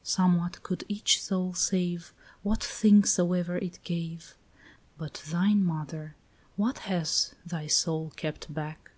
5 Somewhat could each soul save, What thing soever it gave, But thine, mother, what has thy soul kept back?